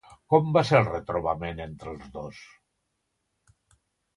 Com va ser el retrobament entre els dos?